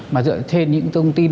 mà dựa trên những thông tin